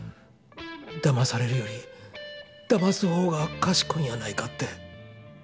だまされるよりだます方がかしこいんやないかって。